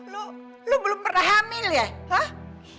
lo lo belum pernah hamil ya hah